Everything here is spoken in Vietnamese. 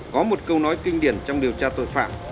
có một câu nói kinh điển trong điều tra tội phạm